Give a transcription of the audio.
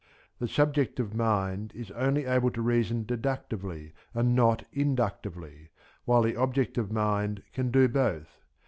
The subjective mind is only able to reason deductively and not inductively, while the objective mind can do both.